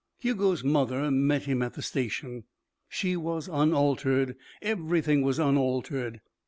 Hugo's mother met him at the station. She was unaltered, everything was unaltered.